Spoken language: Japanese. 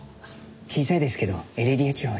小さいですけどエレディア地方に。